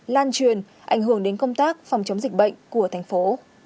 lan truyền ảnh hưởng đến công tác phòng chống dịch bệnh của thành phố